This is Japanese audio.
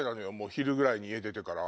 昼ぐらいに家出てから。